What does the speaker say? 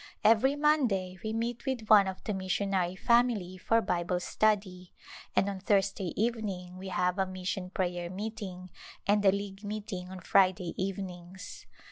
Every Monday we meet with one of the missionary family for Bible study, and on Thursday evening we have a mission prayer meeting, and a league meeting on Friday evenings.